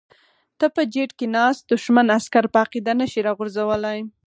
ته په جیټ کې ناست دښمن عسکر په عقیده نشې راغورځولی.